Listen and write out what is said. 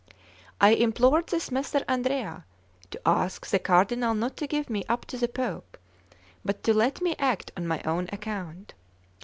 I implored this Messer Andrea to ask the Cardinal not to give me up to the Pope, but to let me act on my own account.